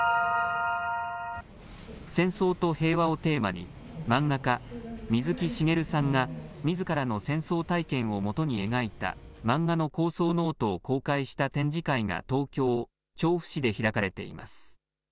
戦争と平和をテーマに漫画家、水木しげるさんがみずからの戦争体験をもとに描いた漫画の構想ノートを公開した展示会が東京調布市で開かれています。